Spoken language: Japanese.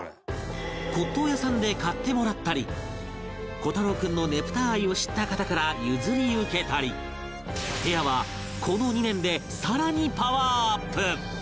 骨董屋さんで買ってもらったり虎太朗君のねぷた愛を知った方から譲り受けたり部屋はこの２年で更にパワーアップ！